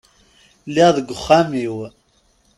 Lliɣ deg uxxam-iw.